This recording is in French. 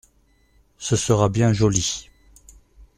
Ce sera bien joli !